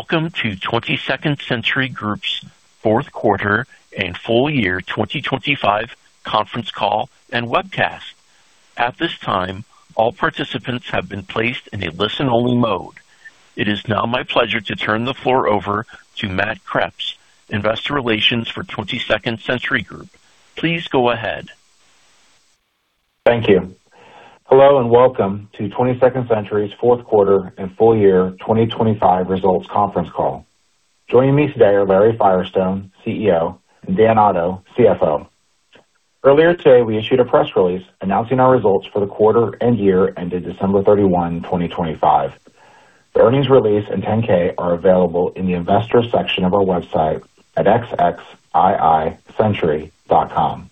Welcome to 22nd Century Group's fourth quarter and full year 2025 conference call and webcast. At this time, all participants have been placed in a listen-only mode. It is now my pleasure to turn the floor over to Matt Kreps, investor relations for 22nd Century Group. Please go ahead. Thank you. Hello, and welcome to 22nd Century's fourth quarter and full year 2025 results conference call. Joining me today are Larry Firestone, CEO, and Dan Otto, CFO. Earlier today, we issued a press release announcing our results for the quarter and year ended December 31, 2025. The earnings release and 10-K are available in the investors section of our website at xxiicentury.com.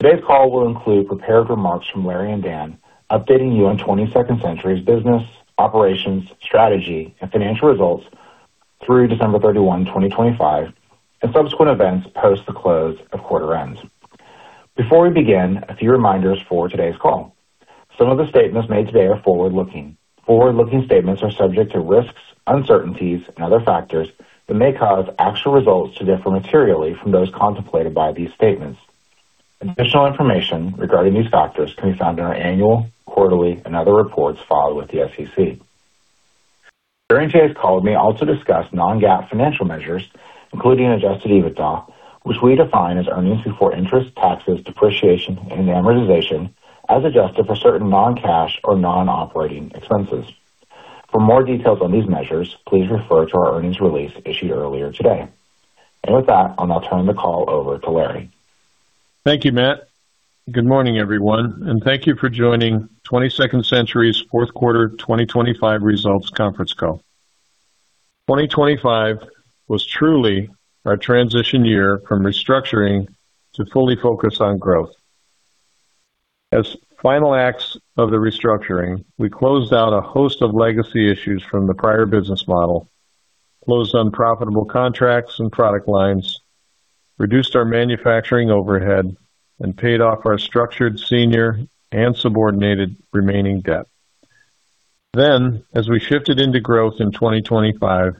Today's call will include prepared remarks from Larry and Dan, updating you on 22nd Century's business, operations, strategy, and financial results through December 31, 2025, and subsequent events post the close of quarter ends. Before we begin, a few reminders for today's call. Some of the statements made today are forward-looking. Forward-looking statements are subject to risks, uncertainties, and other factors that may cause actual results to differ materially from those contemplated by these statements. Additional information regarding these factors can be found in our annual, quarterly, and other reports filed with the SEC. During today's call, we may also discuss non-GAAP financial measures, including Adjusted EBITDA, which we define as earnings before interest, taxes, depreciation, and amortization as adjusted for certain non-cash or non-operating expenses. For more details on these measures, please refer to our earnings release issued earlier today. With that, I'll now turn the call over to Larry. Thank you, Matt. Good morning, everyone, and thank you for joining 22nd Century's fourth quarter 2025 results conference call. 2025 was truly our transition year from restructuring to fully focus on growth. As final acts of the restructuring, we closed out a host of legacy issues from the prior business model, closed unprofitable contracts and product lines, reduced our manufacturing overhead, and paid off our structured senior and subordinated remaining debt. We shifted into growth in 2025,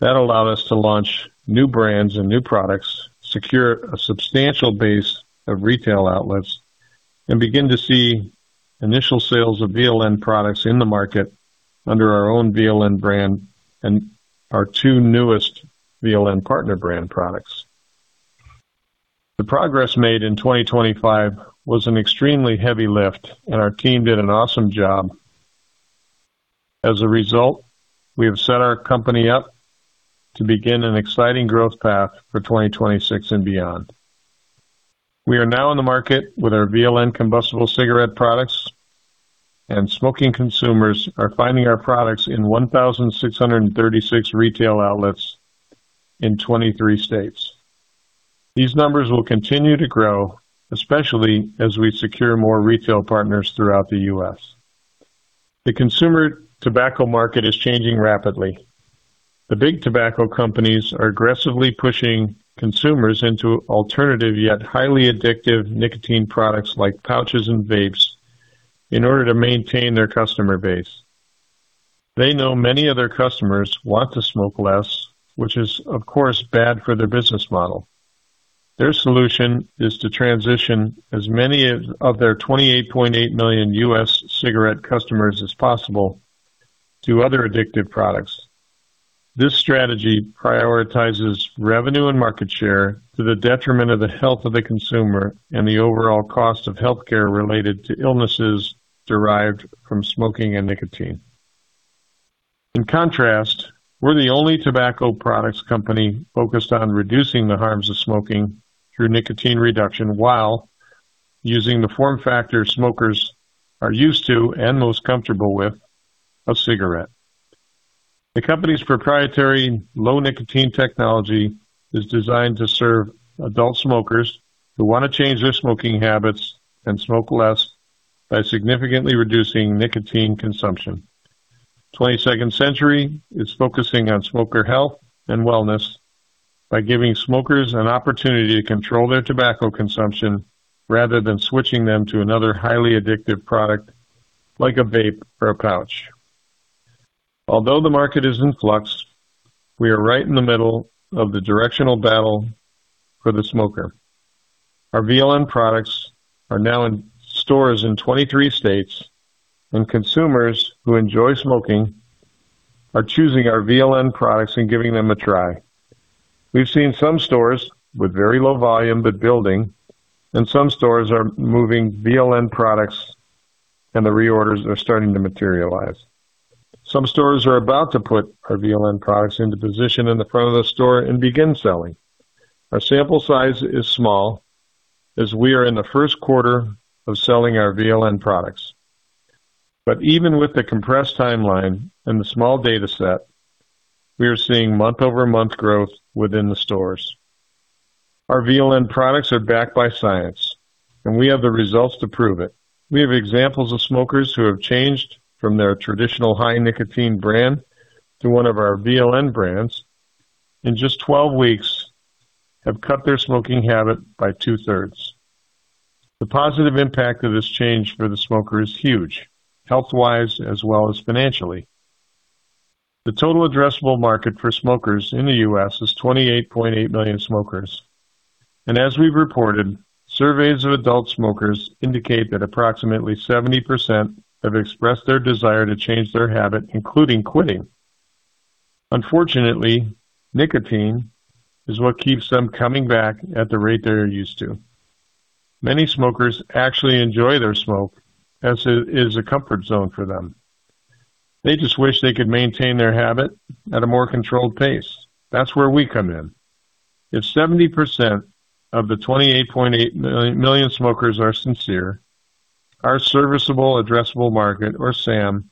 that allowed us to launch new brands and new products, secure a substantial base of retail outlets, and begin to see initial sales of VLN products in the market under our own VLN brand and our two newest VLN partner brand products. The progress made in 2025 was an extremely heavy lift, and our team did an awesome job. As a result, we have set our company up to begin an exciting growth path for 2026 and beyond. We are now in the market with our VLN combustible cigarette products, and smoking consumers are finding our products in 1,636 retail outlets in 23 states. These numbers will continue to grow, especially as we secure more retail partners throughout the U.S. The consumer tobacco market is changing rapidly. The big tobacco companies are aggressively pushing consumers into alternative, yet highly addictive nicotine products like pouches and vapes in order to maintain their customer base. They know many of their customers want to smoke less, which is, of course, bad for their business model. Their solution is to transition as many of their 28.8 million U.S. cigarette customers as possible to other addictive products. This strategy prioritizes revenue and market share to the detriment of the health of the consumer and the overall cost of healthcare related to illnesses derived from smoking and nicotine. In contrast, we're the only tobacco products company focused on reducing the harms of smoking through nicotine reduction while using the form factor smokers are used to and most comfortable with, a cigarette. The company's proprietary low nicotine technology is designed to serve adult smokers who want to change their smoking habits and smoke less by significantly reducing nicotine consumption. 22nd Century Group is focusing on smoker health and wellness by giving smokers an opportunity to control their tobacco consumption rather than switching them to another highly addictive product like a vape or a pouch. Although the market is in flux, we are right in the middle of the directional battle for the smoker. Our VLN products are now in stores in 23 states, and consumers who enjoy smoking are choosing our VLN products and giving them a try. We've seen some stores with very low volume but building, and some stores are moving VLN products and the reorders are starting to materialize. Some stores are about to put our VLN products into position in the front of the store and begin selling. Our sample size is small as we are in the first quarter of selling our VLN products. Even with the compressed timeline and the small data set, we are seeing month-over-month growth within the stores. Our VLN products are backed by science, and we have the results to prove it. We have examples of smokers who have changed from their traditional high nicotine brand to one of our VLN brands in just 12 weeks, have cut their smoking habit by two-thirds. The positive impact of this change for the smoker is huge, health-wise as well as financially. The total addressable market for smokers in the U.S. is 28.8 million smokers. And as we've reported, surveys of adult smokers indicate that approximately 70% have expressed their desire to change their habit, including quitting. Unfortunately, nicotine is what keeps them coming back at the rate they are used to. Many smokers actually enjoy their smoke as it is a comfort zone for them. They just wish they could maintain their habit at a more controlled pace. That's where we come in. If 70% of the 28.8 million smokers are sincere, our serviceable addressable market, or SAM,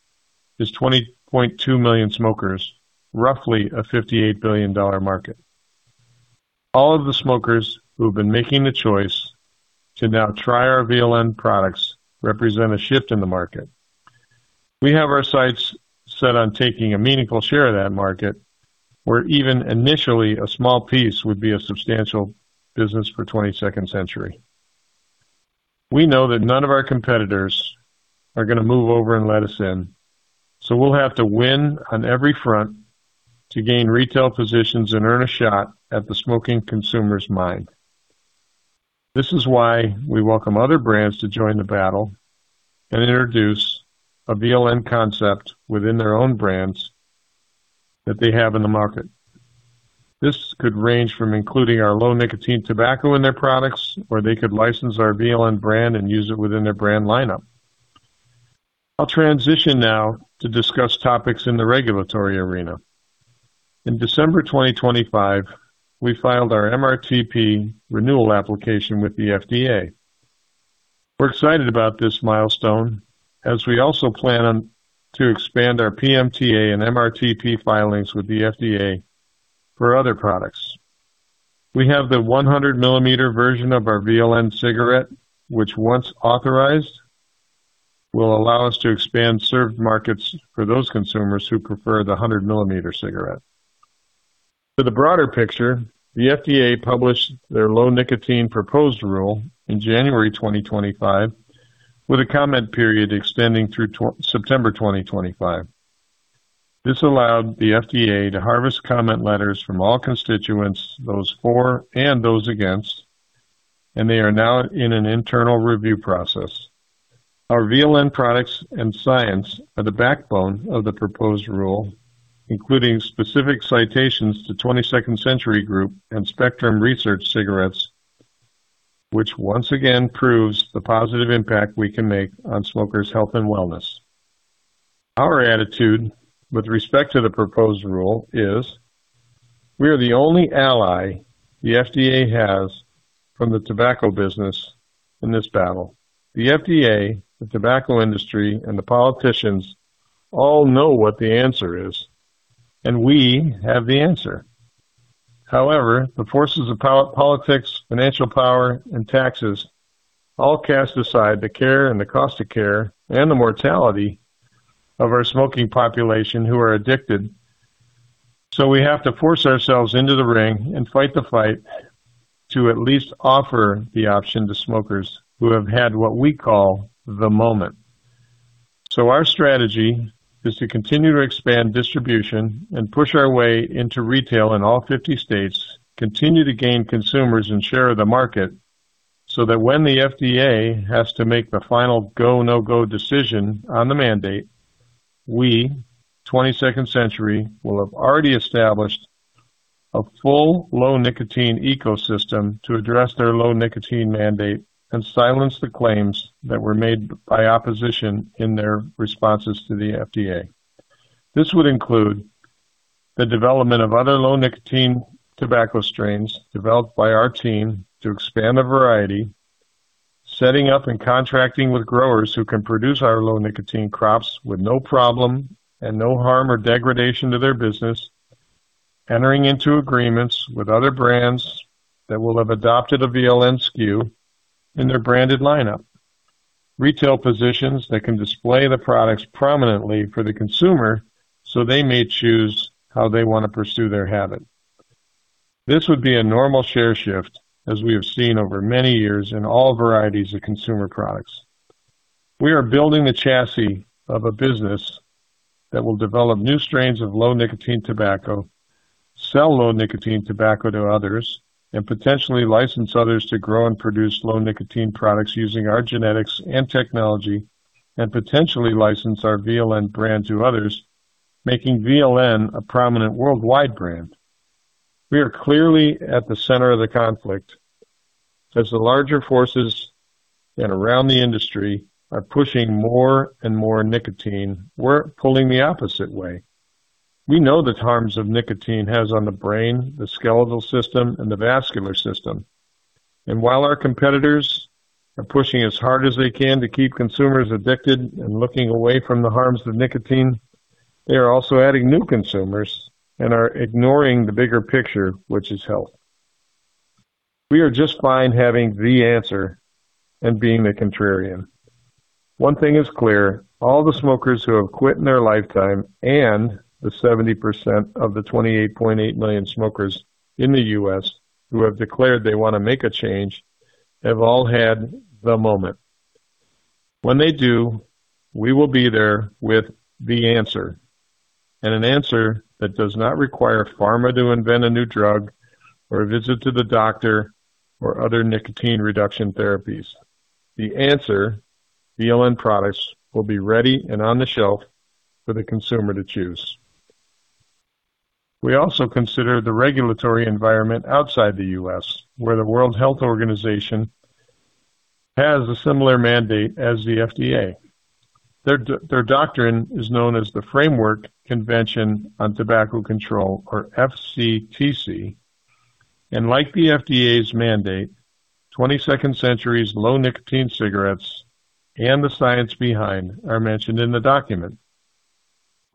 is 20.2 million smokers, roughly a $58 billion market. All of the smokers who have been making the choice to now try our VLN products represent a shift in the market. We have our sights set on taking a meaningful share of that market, where even initially a small piece would be a substantial business for 22nd Century Group. We know that none of our competitors are going to move over and let us in, so we'll have to win on every front to gain retail positions and earn a shot at the smoking consumer's mind. This is why we welcome other brands to join the battle and introduce a VLN concept within their own brands that they have in the market. This could range from including our low-nicotine tobacco in their products, or they could license our VLN brand and use it within their brand lineup. I'll transition now to discuss topics in the regulatory arena. In December 2025, we filed our MRTP renewal application with the FDA. We're excited about this milestone as we also plan to expand our PMTA and MRTP filings with the FDA for other products. We have the 100 mm version of our VLN cigarette, which once authorized, will allow us to expand served markets for those consumers who prefer the 100 mm cigarette. For the broader picture, the FDA published their low-nicotine proposed rule in January 2025, with a comment period extending through to September 2025. This allowed the FDA to harvest comment letters from all constituents, those for and those against, and they are now in an internal review process. Our VLN products and science are the backbone of the proposed rule, including specific citations to 22nd Century Group and Spectrum research cigarettes, which once again proves the positive impact we can make on smokers' health and wellness. Our attitude with respect to the proposed rule is we are the only ally the FDA has from the tobacco business in this battle. The FDA, the tobacco industry, and the politicians all know what the answer is, and we have the answer. However, the forces of politics, financial power, and taxes all cast aside the care and the cost of care and the mortality of our smoking population who are addicted. We have to force ourselves into the ring and fight the fight to at least offer the option to smokers who have had what we call the moment. Our strategy is to continue to expand distribution and push our way into retail in all 50 states, continue to gain consumers and share the market so that when the FDA has to make the final go, no-go decision on the mandate, we, 22nd Century Group, will have already established a full low-nicotine ecosystem to address their low-nicotine mandate and silence the claims that were made by opposition in their responses to the FDA. This would include the development of other low-nicotine tobacco strains developed by our team to expand the variety, setting up and contracting with growers who can produce our low-nicotine crops with no problem and no harm or degradation to their business, entering into agreements with other brands that will have adopted a VLN SKU in their branded lineup. Retail positions that can display the products prominently for the consumer so they may choose how they want to pursue their habit. This would be a normal share shift, as we have seen over many years in all varieties of consumer products. We are building the chassis of a business that will develop new strains of low-nicotine tobacco, sell low-nicotine tobacco to others, and potentially license others to grow and produce low-nicotine products using our genetics and technology, and potentially license our VLN brand to others, making VLN a prominent worldwide brand. We are clearly at the center of the conflict as the larger forces and around the industry are pushing more and more nicotine. We're pulling the opposite way. We know the harms of nicotine has on the brain, the skeletal system, and the vascular system. While our competitors are pushing as hard as they can to keep consumers addicted and looking away from the harms of nicotine, they are also adding new consumers and are ignoring the bigger picture, which is health. We are just fine having the answer and being the contrarian. One thing is clear, all the smokers who have quit in their lifetime and the 70% of the 28.8 million smokers in the U.S. who have declared they want to make a change have all had the moment. When they do, we will be there with the answer. An answer that does not require pharma to invent a new drug or a visit to the doctor or other nicotine reduction therapies. The answer, VLN products, will be ready and on the shelf for the consumer to choose. We also consider the regulatory environment outside the U.S., where the World Health Organization has a similar mandate as the FDA. Their doctrine is known as the Framework Convention on Tobacco Control, or FCTC. Like the FDA's mandate, 22nd Century's low nicotine cigarettes and the science behind are mentioned in the document.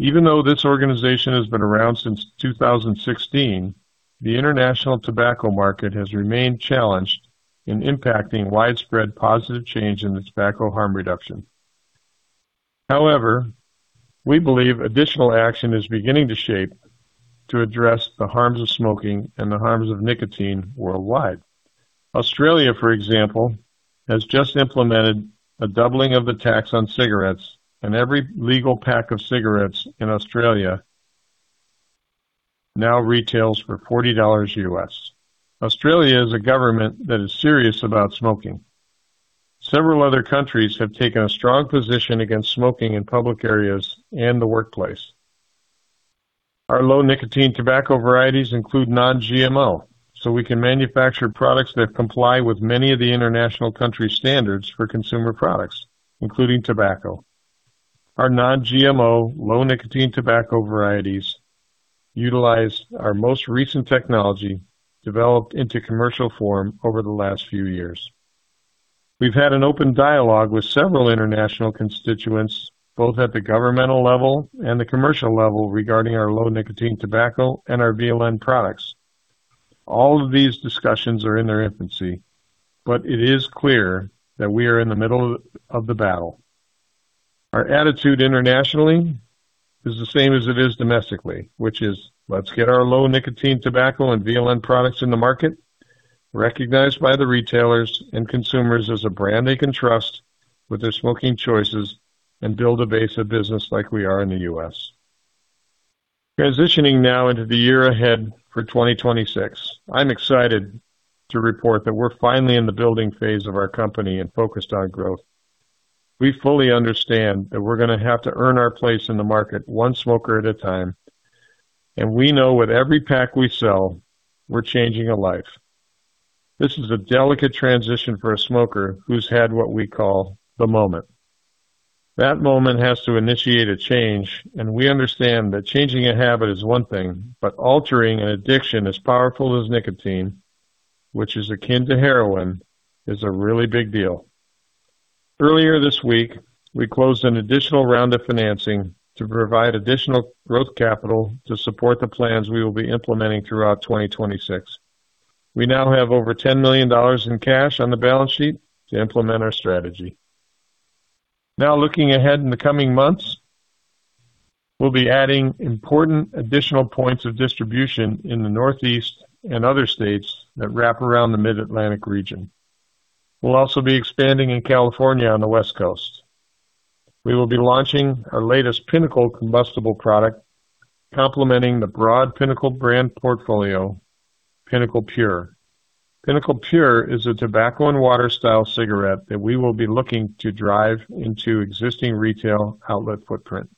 Even though this organization has been around since 2016, the international tobacco market has remained challenged in impacting widespread positive change in tobacco harm reduction. However, we believe additional action is beginning to shape to address the harms of smoking and the harms of nicotine worldwide. Australia, for example, has just implemented a doubling of the tax on cigarettes, and every legal pack of cigarettes in Australia now retails for $40. Australia is a government that is serious about smoking. Several other countries have taken a strong position against smoking in public areas and the workplace. Our low nicotine tobacco varieties include non-GMO, so we can manufacture products that comply with many of the international country standards for consumer products, including tobacco. Our non-GMO low nicotine tobacco varieties utilize our most recent technology developed into commercial form over the last few years. We've had an open dialogue with several international constituents, both at the governmental level and the commercial level, regarding our low nicotine tobacco and our VLN products. All of these discussions are in their infancy, but it is clear that we are in the middle of the battle. Our attitude internationally is the same as it is domestically, which is let's get our low nicotine tobacco and VLN products in the market, recognized by the retailers and consumers as a brand they can trust with their smoking choices and build a base of business like we are in the U.S. Transitioning now into the year ahead for 2026, I'm excited to report that we're finally in the building phase of our company and focused on growth. We fully understand that we're gonna have to earn our place in the market one smoker at a time. We know with every pack we sell, we're changing a life. This is a delicate transition for a smoker who's had what we call the moment. That moment has to initiate a change, and we understand that changing a habit is one thing, but altering an addiction as powerful as nicotine, which is akin to heroin, is a really big deal. Earlier this week, we closed an additional round of financing to provide additional growth capital to support the plans we will be implementing throughout 2026. We now have over $10 million in cash on the balance sheet to implement our strategy. Now, looking ahead in the coming months, we'll be adding important additional points of distribution in the Northeast and other states that wrap around the Mid-Atlantic region. We'll also be expanding in California on the West Coast. We will be launching our latest Pinnacle combustible product, complementing the broad Pinnacle brand portfolio, Pinnacle Pure. Pinnacle Pure is a tobacco and water style cigarette that we will be looking to drive into existing retail outlet footprint.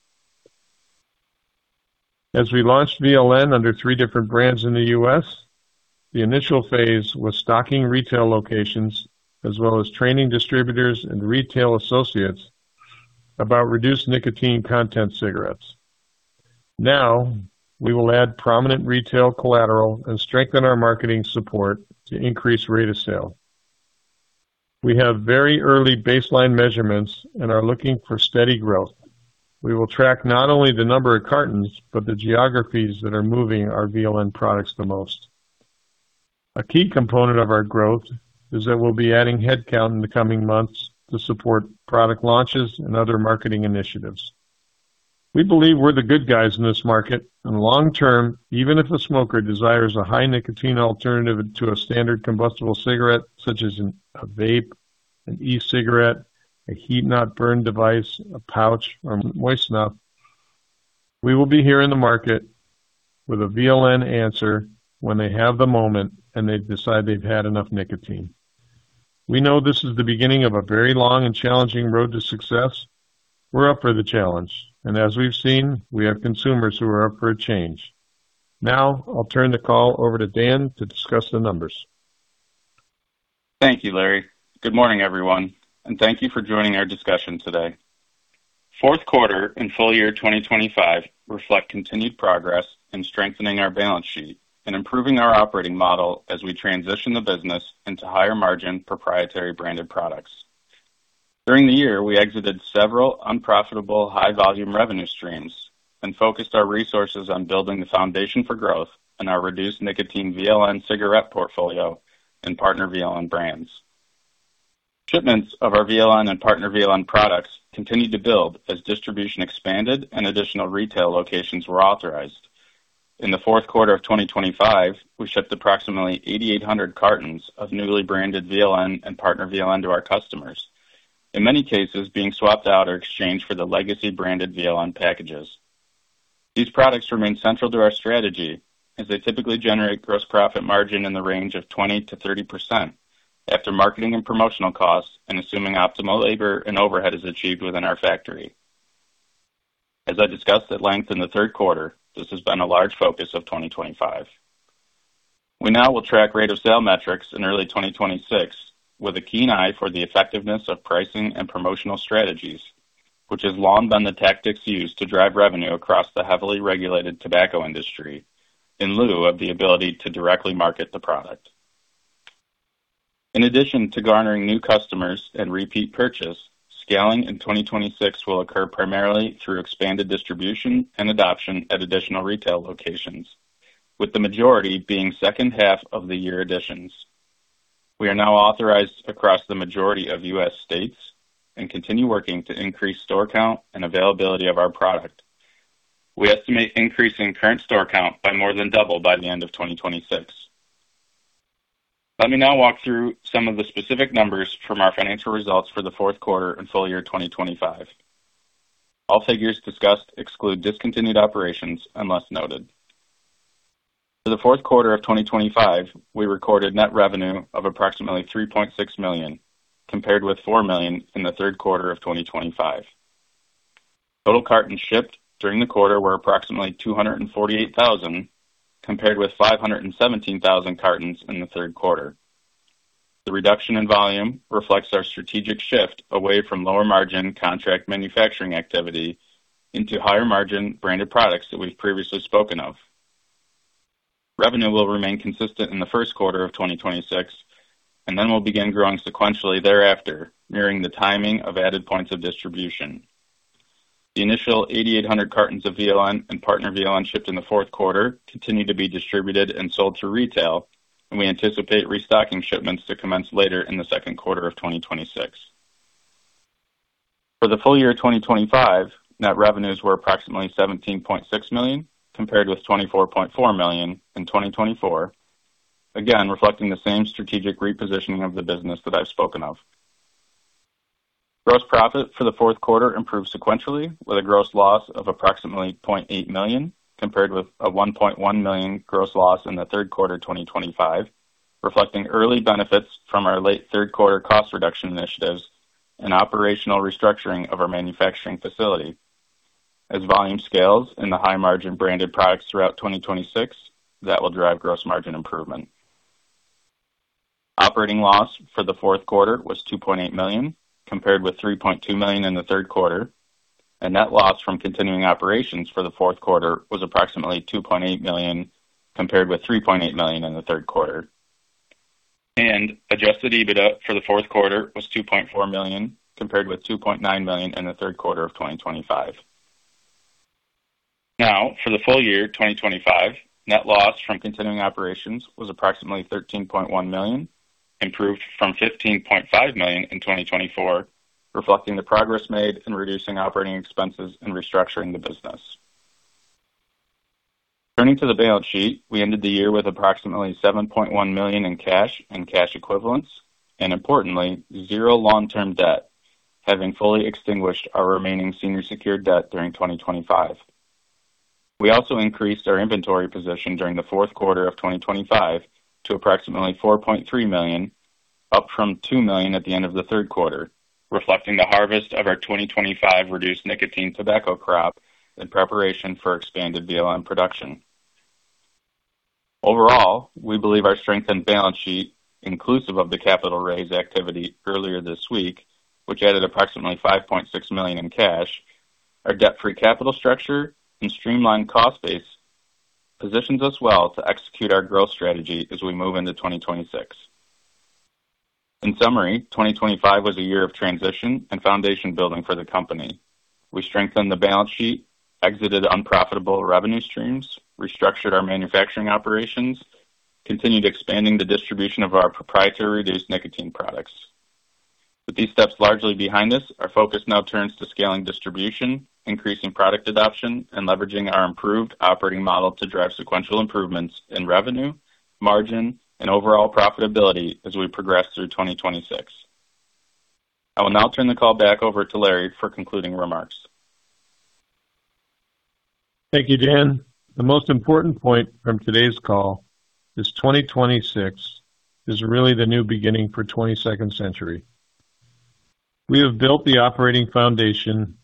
As we launched VLN under three different brands in the U.S., the initial phase was stocking retail locations as well as training distributors and retail associates about reduced nicotine content cigarettes. Now, we will add prominent retail collateral and strengthen our marketing support to increase rate of sale. We have very early baseline measurements and are looking for steady growth. We will track not only the number of cartons, but the geographies that are moving our VLN products the most. A key component of our growth is that we'll be adding headcount in the coming months to support product launches and other marketing initiatives. We believe we're the good guys in this market. Long term, even if a smoker desires a high nicotine alternative to a standard combustible cigarette, such as a vape, an e-cigarette, a heat-not-burn device, a pouch or moist snuff, we will be here in the market with a VLN answer when they have the moment and they decide they've had enough nicotine. We know this is the beginning of a very long and challenging road to success. We're up for the challenge. As we've seen, we have consumers who are up for a change. Now, I'll turn the call over to Dan to discuss the numbers. Thank you, Larry. Good morning, everyone, and thank you for joining our discussion today. Fourth quarter and full year 2025 reflect continued progress in strengthening our balance sheet and improving our operating model as we transition the business into higher margin proprietary branded products. During the year, we exited several unprofitable high volume revenue streams and focused our resources on building the foundation for growth in our reduced nicotine VLN cigarette portfolio and partner VLN brands. Shipments of our VLN and partner VLN products continued to build as distribution expanded and additional retail locations were authorized. In the fourth quarter of 2025, we shipped approximately 8,800 cartons of newly branded VLN and partner VLN to our customers, in many cases being swapped out or exchanged for the legacy branded VLN packages. These products remain central to our strategy, as they typically generate gross profit margin in the range of 20%-30% after marketing and promotional costs and assuming optimal labor and overhead is achieved within our factory. As I discussed at length in the third quarter, this has been a large focus of 2025. We now will track rate of sale metrics in early 2026 with a keen eye for the effectiveness of pricing and promotional strategies, which has long been the tactics used to drive revenue across the heavily regulated tobacco industry in lieu of the ability to directly market the product. In addition to garnering new customers and repeat purchase, scaling in 2026 will occur primarily through expanded distribution and adoption at additional retail locations, with the majority being second half of the year additions. We are now authorized across the majority of U.S. states and continue working to increase store count and availability of our product. We estimate increasing current store count by more than double by the end of 2026. Let me now walk through some of the specific numbers from our financial results for the fourth quarter and full year 2025. All figures discussed exclude discontinued operations unless noted. For the fourth quarter of 2025, we recorded net revenue of approximately $3.6 million, compared with $4 million in the third quarter of 2025. Total cartons shipped during the quarter were approximately 248,000, compared with 517,000 cartons in the third quarter. The reduction in volume reflects our strategic shift away from lower margin contract manufacturing activity into higher margin branded products that we've previously spoken of. Revenue will remain consistent in the first quarter of 2026 and then will begin growing sequentially thereafter, mirroring the timing of added points of distribution. The initial 8,800 cartons of VLN and partner VLN shipped in the fourth quarter continue to be distributed and sold to retail, and we anticipate restocking shipments to commence later in the second quarter of 2026. For the full year 2025, net revenues were approximately $17.6 million, compared with $24.4 million in 2024. Again, reflecting the same strategic repositioning of the business that I've spoken of. Gross profit for the fourth quarter improved sequentially with a gross loss of approximately $0.8 million, compared with a $1.1 million gross loss in the third quarter of 2025, reflecting early benefits from our late third quarter cost reduction initiatives and operational restructuring of our manufacturing facility. As volume scales in the high margin branded products throughout 2026, that will drive gross margin improvement. Operating loss for the fourth quarter was $2.8 million, compared with $3.2 million in the third quarter, and net loss from continuing operations for the fourth quarter was approximately $2.8 million, compared with $3.8 million in the third quarter. And adjusted EBITDA for the fourth quarter was $2.4 million, compared with $2.9 million in the third quarter of 2025. Now, for the full year 2025, net loss from continuing operations was approximately $13.1 million, improved from $15.5 million in 2024, reflecting the progress made in reducing operating expenses and restructuring the business. Turning to the balance sheet, we ended the year with approximately $7.1 million in cash and cash equivalents, and importantly, $0 long-term debt, having fully extinguished our remaining senior secured debt during 2025. We also increased our inventory position during the fourth quarter of 2025 to approximately $4.3 million, up from $2 million at the end of the third quarter, reflecting the harvest of our 2025 reduced nicotine tobacco crop in preparation for expanded VLN production. Overall, we believe our strengthened balance sheet, inclusive of the capital raise activity earlier this week, which added approximately $5.6 million in cash, our debt-free capital structure and streamlined cost base positions us well to execute our growth strategy as we move into 2026. In summary, 2025 was a year of transition and foundation building for the company. We strengthened the balance sheet, exited unprofitable revenue streams, restructured our manufacturing operations, continued expanding the distribution of our proprietary reduced nicotine products. With these steps largely behind us, our focus now turns to scaling distribution, increasing product adoption, and leveraging our improved operating model to drive sequential improvements in revenue, margin, and overall profitability as we progress through 2026. I will now turn the call back over to Larry for concluding remarks. Thank you, Dan. The most important point from today's call is 2026 is really the new beginning for 22nd Century. We have built the operating foundation,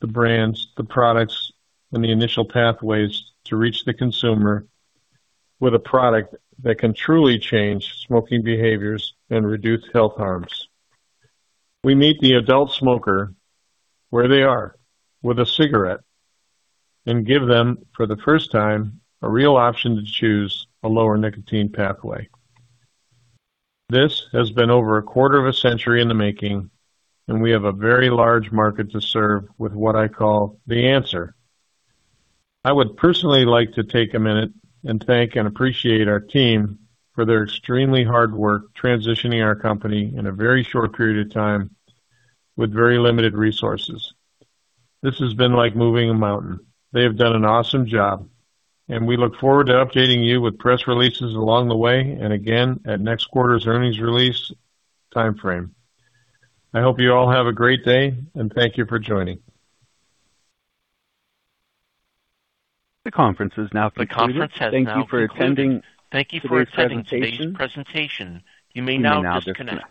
the brands, the products, and the initial pathways to reach the consumer with a product that can truly change smoking behaviors and reduce health harms. We meet the adult smoker where they are with a cigarette and give them, for the first time, a real option to choose a lower nicotine pathway. This has been over a quarter of a century in the making and we have a very large market to serve with what I call the answer. I would personally like to take a minute and thank and appreciate our team for their extremely hard work transitioning our company in a very short period of time with very limited resources. This has been like moving a mountain. They have done an awesome job, and we look forward to updating you with press releases along the way and again at next quarter's earnings release timeframe. I hope you all have a great day and thank you for joining. The conference is now concluded. Thank you for attending today's presentation. You may now disconnect.